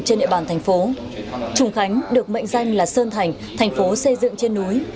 trên địa bàn thành phố trùng khánh được mệnh danh là sơn thành thành phố xây dựng trên núi